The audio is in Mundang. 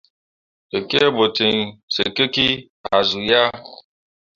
Tekie ɓo ten sǝkikki ah zu yah.